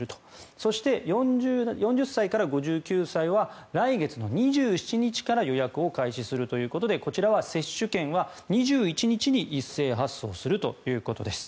そして、４０歳から５９歳は来月２７日から予約を開始するということでこちらは接種券は２１日に一斉発送するということです。